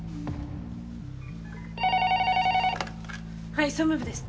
はい総務部です。